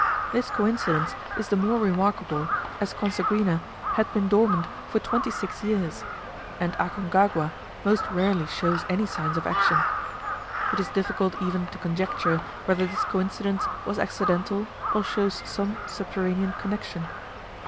This coincidence is the more remarkable, as Coseguina had been dormant for twenty six years; and Aconcagua most rarely shows any signs of action. It is difficult even to conjecture whether this coincidence was accidental, or shows some subterranean connection.